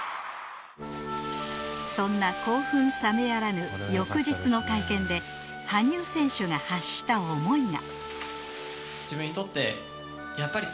そんな興奮冷めやらぬ翌日の会見で羽生選手が発した思いが